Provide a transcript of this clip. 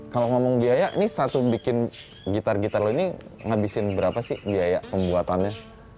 kalau ngomong biaya ini satu bikin gitar gitar lo ini ngabisin berapa sih biaya pembuatannya